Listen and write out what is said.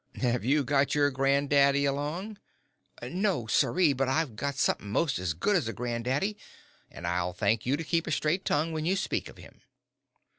"Have you got your granddaddy along?" "No, siree, but I've got somethin' mos' as good as a granddaddy, an' I'd thank you to keep a straight tongue when you speak of him."